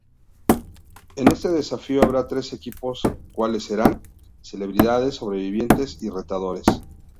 En este desafío habrá tres equipos cuales serán, Celebridades, Sobrevivientes y Retadores.